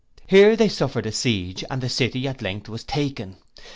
Here they suffered a siege, and the city at length was taken.